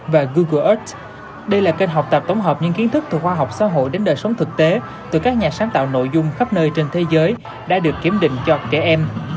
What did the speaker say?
và google arch đây là kênh học tập tổng hợp những kiến thức từ khoa học xã hội đến đời sống thực tế từ các nhà sáng tạo nội dung khắp nơi trên thế giới đã được kiểm định cho trẻ em